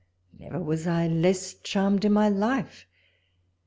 never was I less charmed in my life.